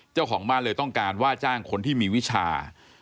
เจ้าของบ้านเลยต้องการว่าจ้างคนที่มีวิชา